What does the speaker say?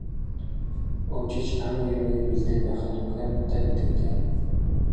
Өө, чи чинь хамаг юмыг нь бэлдээд байхад унхиа муутай гэдэг нь дээ.